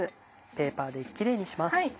ペーパーでキレイにします。